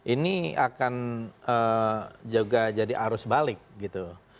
ini akan juga jadi arus balik gitu